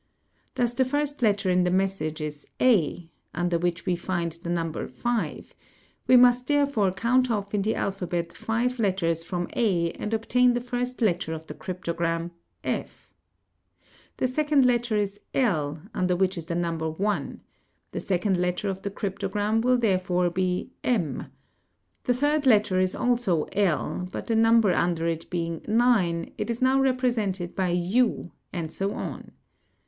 Thus the first letter in 2 message is 'a' under which we find the number 5; we must therefore count off in the alphabet 5 letters from a and obtain the first letter of the eryptogram, /; the second letter is '1' under which is the number 1, the 2nd 604 CIPHERS letter of the cryptogram, will therefore be m; the third letter is also '1', but the number under it being 9 it is now represented by wu, and so on.